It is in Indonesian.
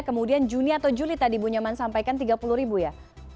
kemudian juni atau juli tadi bu nyaman sampaikan tiga puluh ribu ya